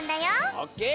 オッケー！